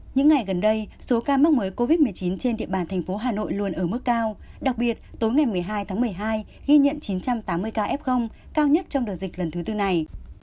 những ngày gần đây số ca mắc mới covid một mươi chín trên địa bàn thành phố hà nội luôn ở mức cao đặc biệt tối ngày một mươi hai tháng một mươi hai ghi nhận chín trăm tám mươi ca f cao nhất trong đợt dịch lần thứ tư này